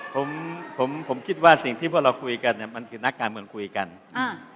ผมผมผมคิดว่าสิ่งที่พวกเราคุยกันเนี้ยมันคือนักการเมืองคุยกันอ่า